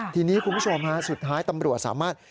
ทีนี้คุณผู้ชมฮะสุดท้ายตำรวจสามารถ